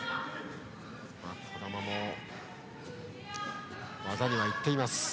児玉も技には行っています。